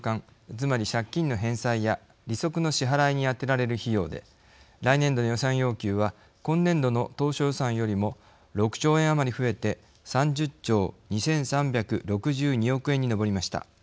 つまり借金の返済や利息の支払いに充てられる費用で来年度の予算要求は今年度の当初予算よりも６兆円余り増えて３０兆２，３６２億円に上りました。